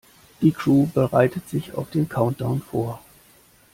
Die Crew bereitet sich auf den Countdown vor.